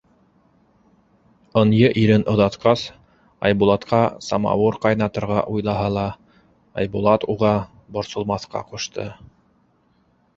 Ынйы ирен оҙатҡас, Айбулатҡа самауыр ҡайнатырға уйлаһа ла, Айбулат уға борсолмаҫҡа ҡушты.